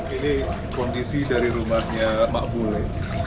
ini kondisi dari rumahnya makbule